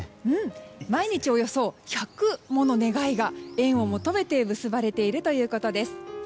毎日およそ１００もの願いが縁を求めて結ばれているということです。